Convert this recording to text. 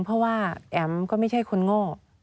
เพราะว่าแอ๋มก็ไม่ใช่คนโง่